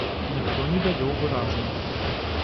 Ніхто не давёў выразна.